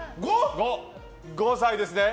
５歳ですね。